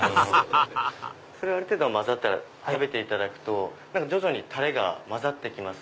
ハハハハある程度混ざったら食べていただくと徐々にタレが混ざって来ます。